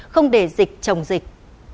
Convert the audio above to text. không để dịch trồng dịch